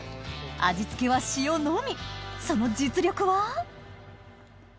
味付けは塩のみその実力は？